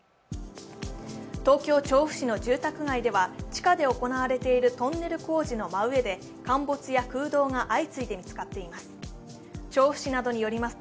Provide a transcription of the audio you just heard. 東京・調布市の住宅街では地下で行われているトンネル工事の真上で陥没や空洞が相次いで見つかっています。